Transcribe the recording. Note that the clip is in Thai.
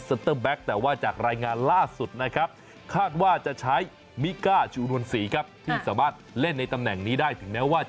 เตอร์แบ็คแต่ว่าจากรายงานล่าสุดนะครับคาดว่าจะใช้มิก้าชูนวลศรีครับที่สามารถเล่นในตำแหน่งนี้ได้ถึงแม้ว่าจะ